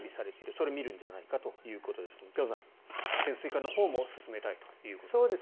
それを見るんじゃないかということですが辺さん、潜水艦のほうも進めたいということですね。